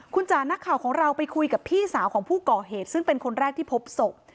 คุณจ๋านักข่าวของเราไปคุยกับพี่สาวของผู้ก่อเหตุซึ่งเป็นคนแรกที่พบศพ